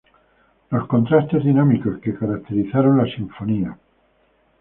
Los contrastes dinámicos que caracterizaron la Sinfonía no.